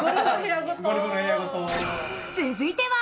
続いては。